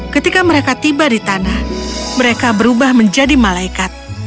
ketika mereka tiba di tanah mereka berubah menjadi malaikat